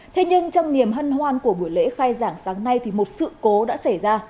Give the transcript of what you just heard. thế nhưng trong niềm hân hoan của buổi lễ khai giảng sáng nay thì một sự cố đã xảy ra